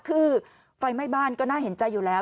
คือไฟไหม้บ้านก็น่าเห็นใจอยู่แล้ว